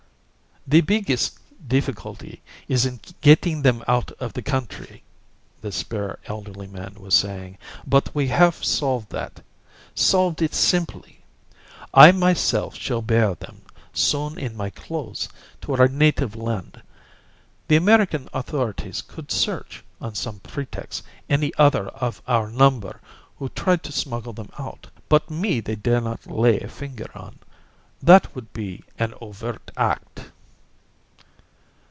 "The biggest difficulty is in getting them out of the country," the spare, elderly man was saying. "But we have solved that. Solved it simply. I myself shall bear them, sewn in my clothes, to our native land. The American authorities could search, on some pretext, any other of our number who tried to smuggle them out. But me they dare not lay a finger on. That would be an overt act."